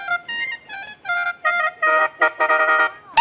สวัสดีครับ